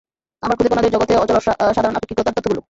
আবার খুদে কণাদের জগতে অচল সাধারণ আপেক্ষিকতার তত্ত্বগুলো।